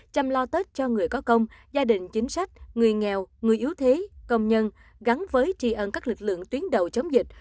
chăm lo tết cho người có công gia đình chính sách người nghèo người yếu thế công nhân gắn với trì ấn các lực lượng tuyến đầu chống dịch